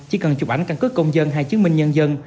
chỉ cần chụp ảnh căn cứ công dân hay chứng minh nhân dân